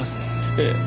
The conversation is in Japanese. ええ。